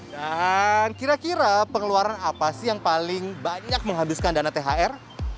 dan kira kira pengeluaran apa sih yang paling banyak menghabiskan dana thr